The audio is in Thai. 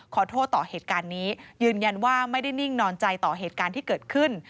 ขอโทษต่อเหตุการณ์นี้ยืนยันว่าไม่ได้นิ่งนอนใจต่อเหตุการณ์ที่เกิดขึ้น